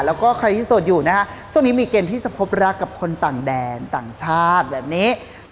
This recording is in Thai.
แล้วก็ใครที่โสดอยู่นะคะช่วงนี้มีเกณฑ์ที่จะพบรักกับคนต่างแดนต่างชาติแบบนี้